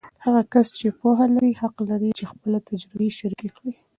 هغه کس چې پوهه لري، حق لري چې خپله تجربې شریکې کړي.